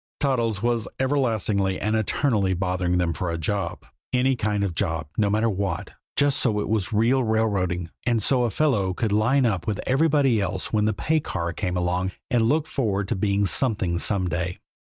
Toddles was everlastingly and eternally bothering them for a job. Any kind of a job, no matter what, just so it was real railroading, and so a fellow could line up with everybody else when the pay car came along, and look forward to being something some day.